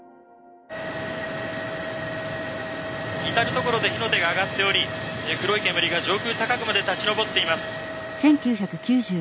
「至る所で火の手が上がっており黒い煙が上空高くまで立ち上っています」。